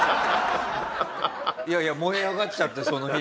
いやいや燃え上がっちゃってその日に。